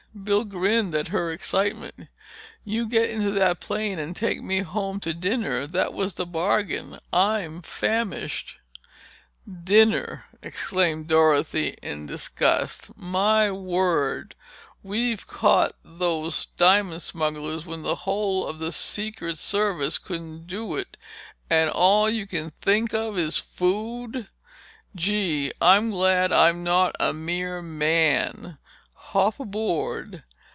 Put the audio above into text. Bill grinned at her excitement. "You get into that plane and take me home to dinner. That was the bargain, and I'm famished!" "Dinner!" exclaimed Dorothy in disgust. "My word! We've caught those diamond smugglers when the whole of the Secret Service couldn't do it—and all you think of is food! Gee, I'm glad I'm not a mere man. Hop aboard.